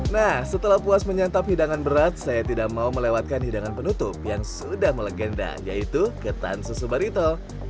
nah setelah puas menyantap hidangan berat saya tidak mau melewatkan hidangan penutup yang sudah melegenda yaitu ketan susu barito